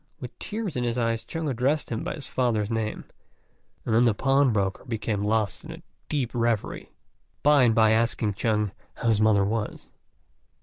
With tears in his eyes Chung addressed him by his father's name, and then the pawnbroker became lost in a deep reverie, by and by asking Chung how his mother was.